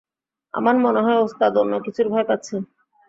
আমার মনে হয় ওস্তাদ অন্যকিছুর ভয় পাচ্ছে।